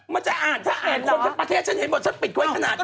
มันจะอ่านถ้าอ่านคนทั้งประเทศฉันเห็นหมดฉันปิดไว้ขนาดนี้